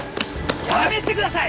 やめてください！